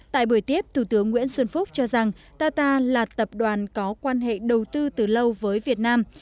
tại buổi tiếp thủ tướng nguyễn xuân phúc cho rằng qatar là tập đoàn có quan hệ đầu tư từ lâu với việt nam